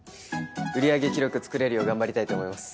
売り上げ記録作れるよう頑張りたいと思います。